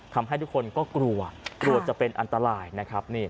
ทำให้ทุกคนก็กลัวกลัวจะเป็นอันตรายนะครับ